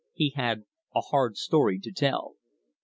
He had a hard story to tell.